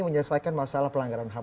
menyelesaikan masalah pelanggaran hak